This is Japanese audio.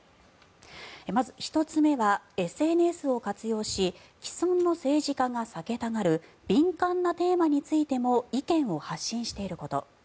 まず１つ目はＳＮＳを活用し既存の政治家が避けたがる敏感なテーマについても意見を発信していること。